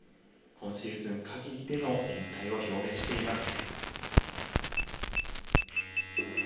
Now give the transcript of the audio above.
今シーズン限りでの引退を表明しています。